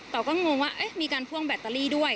เราก็งงว่ามีการพ่วงแบตเตอรี่ด้วย